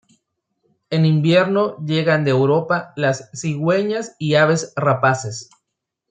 En invierno llegan de Europa las cigüeñas y aves rapaces.